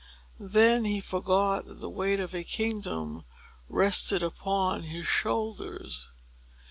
Then he forgot that the weight of a kingdom rested upon his shoulders.